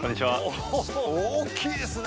おー大きいですね！